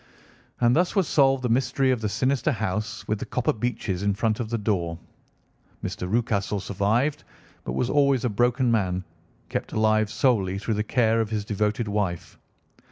And thus was solved the mystery of the sinister house with the copper beeches in front of the door. Mr. Rucastle survived, but was always a broken man, kept alive solely through the care of his devoted wife.